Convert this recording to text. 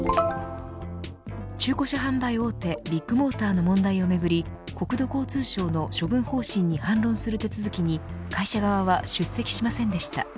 中古車販売大手ビッグモーターの問題をめぐり国土交通省の処分方針に反論する手続きに会社側は出席しませんでした。